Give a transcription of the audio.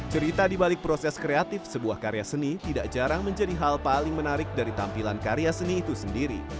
cerita di balik proses kreatif sebuah karya seni tidak jarang menjadi hal paling menarik dari tampilan karya seni itu sendiri